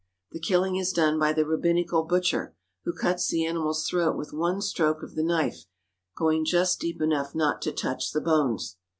The killing is done by the rabbinical butcher, who cuts the animal's throat with one stroke of the knife, going just deep enough not to touch the bones.